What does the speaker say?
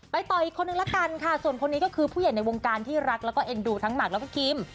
ต่ออีกคนนึงละกันค่ะส่วนคนนี้ก็คือผู้ใหญ่ในวงการที่รักแล้วก็เอ็นดูทั้งหมากแล้วก็คิม